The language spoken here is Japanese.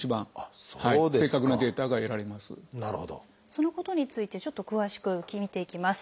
そのことについてちょっと詳しく見ていきます。